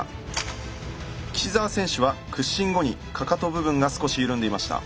岸澤選手は屈伸後にかかと部分が少し緩んでいました。